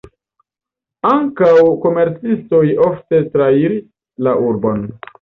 Ankaŭ komercistoj ofte trairis la urbon.